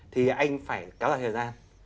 thì anh phải cáo ra thời gian